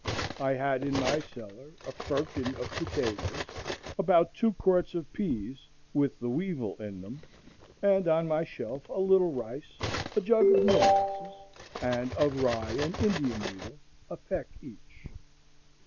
I had in my cellar a firkin of potatoes, about two quarts of peas with the weevil in them, and on my shelf a little rice, a jug of molasses, and of rye and Indian meal a peck each.